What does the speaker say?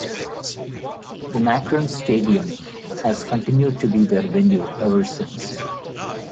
The Macron Stadium has continued to be their venue ever since.